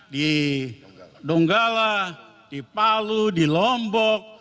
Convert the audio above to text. di donggala di palu di lombok